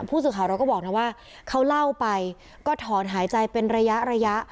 ผู้สื่อข่าวเราก็บอกนะว่าเขาเล่าไปก็ถอนหายใจเป็นระยะระยะ